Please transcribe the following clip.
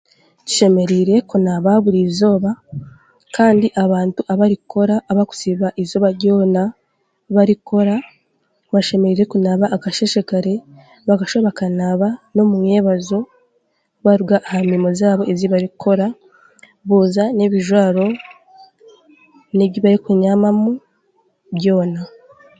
Tushemereire kunaaba burizooba, kandi abantu abarikukora, abarikusiiba izooba ryona barikukora bashemereire kunaaba akasheeshe kare bakashuba bakanaaba n'omu mwebazyo baaruga aha mirimo zaabo ezi barikukora, booza n'ebijwaro n'ebi barikunyamamu, byona.